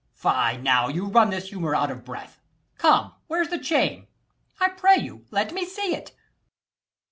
Ant. E. Fie, now you run this humour out of breath. Come, where's the chain? I pray you, let me see it.